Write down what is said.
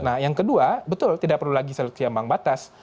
nah yang kedua betul tidak perlu lagi seleksi ambang batas